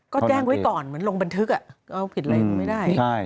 ก็แจ้งไว้ก่อนเหมือนลงบันทึกเอาผิดอะไรไม่ได้